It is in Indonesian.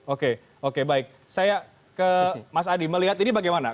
oke oke baik saya ke mas adi melihat ini bagaimana